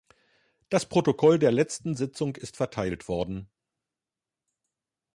Das Protokoll der letzten Sitzung ist verteilt worden.